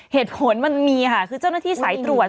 มันมีค่ะคือเจ้าหน้าที่สายตรวจ